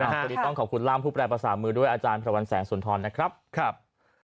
วันนี้ต้องขอบคุณร่ามผู้แปรภาษามือด้วยอาจารย์พระวันแสงสุนทรนะครับ